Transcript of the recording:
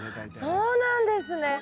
あっそうなんですね！